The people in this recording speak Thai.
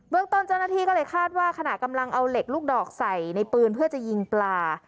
ต้นเจ้าหน้าที่ก็เลยคาดว่าขณะกำลังเอาเหล็กลูกดอกใส่ในปืนเพื่อจะยิงปลา